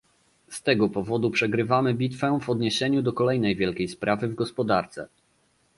Z tego powodu przegrywamy bitwę w odniesieniu do kolejnej wielkiej sprawy w gospodarce